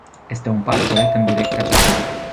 Este un pas corect în direcția cea bună.